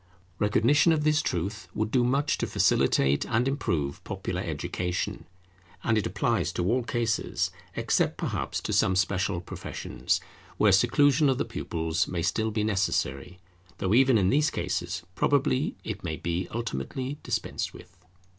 Recognition of this truth would do much to facilitate and improve popular education; and it applies to all cases, except perhaps to some special professions, where seclusion of the pupils may still be necessary, though even in these cases probably it may be ultimately dispensed with.